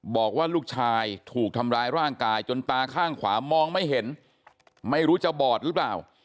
บอกว่าลูกชายถูกทำร้ายร่างกายจนตาข้างขวามองไม่เห็นไม่รู้จะบอดหรือเปล่า